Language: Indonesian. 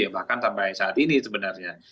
bahkan sampai saat ini sebenarnya